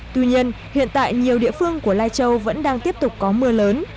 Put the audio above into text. tuy nhiên hiện tại nhiều địa phương của lai châu vẫn đang tiếp tục có mưa lớn